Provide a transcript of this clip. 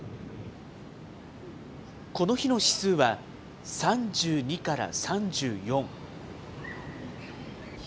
この日の指数は、３２から３４。